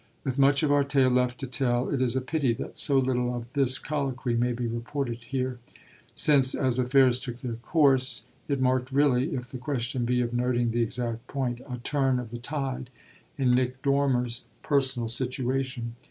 With much of our tale left to tell it is a pity that so little of this colloquy may be reported here; since, as affairs took their course, it marked really if the question be of noting the exact point a turn of the tide in Nick Dormer's personal situation.